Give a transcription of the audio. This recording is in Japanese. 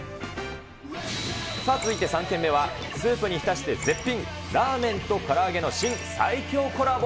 さあ、続いて３軒目は、スープに浸して絶品、ラーメンとから揚げの新最強コラボ。